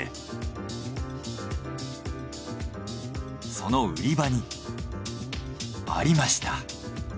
その売り場にありました。